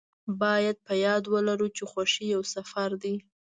باید په یاد ولرو چې خوښي یو سفر دی.